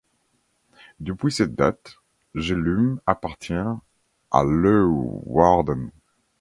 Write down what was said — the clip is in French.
Depuis cette date, Jellum appartient à Leeuwarden.